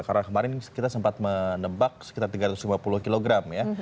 karena kemarin kita sempat menebak sekitar tiga ratus lima puluh kg ya